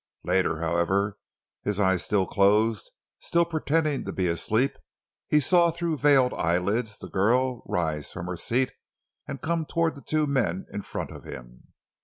Later, however, his eyes still closed, still pretending to be asleep, he saw through veiled eyelids the girl rise from her seat and come toward the two men in front of him.